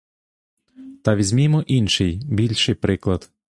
Та візьмімо інший, більший приклад.